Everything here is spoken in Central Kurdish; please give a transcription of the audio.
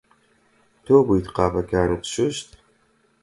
تۆ بوویت قاپەکانت شوشت؟